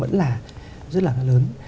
vẫn là rất là lớn